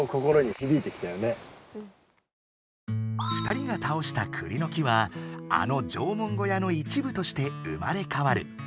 ２人がたおしたクリの木はあの縄文小屋の一部として生まれかわる。